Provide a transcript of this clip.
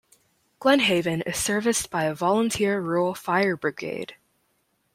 Glenhaven is serviced by a volunteer rural fire brigade.